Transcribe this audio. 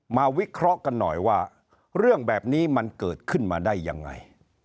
วิเคราะห์กันหน่อยว่าเรื่องแบบนี้มันเกิดขึ้นมาได้ยังไง